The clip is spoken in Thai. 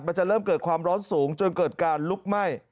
มันจะเริ่มเกิดความร้อนสูงจนเกิดการลุกไหม้